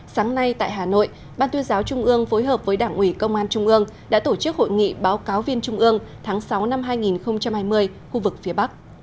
sáng nay tại hà nội ban tuyên giáo trung ương phối hợp với đảng ủy công an trung ương đã tổ chức hội nghị báo cáo viên trung ương tháng sáu năm hai nghìn hai mươi khu vực phía bắc